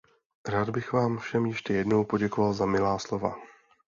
Rád bych vám všem ještě jednou poděkoval za milá slova.